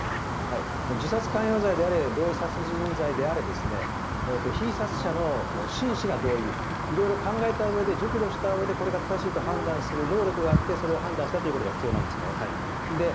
自殺関与罪であれ同意殺人罪であれ色々考えたうえで熟慮したうえでこれが正しいと判断する能力があってそれを判断したということが必要です。